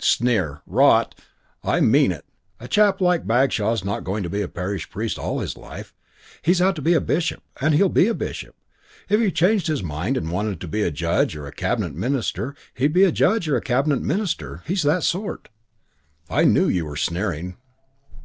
"Sneer! Rot. I mean it. A chap like Bagshaw's not going to be a parish priest all his life. He's out to be a bishop and he'll be a bishop. If he changed his mind and wanted to be a Judge or a Cabinet Minister, he'd be a Judge or a Cabinet Minister. He's that sort." "I knew you were sneering."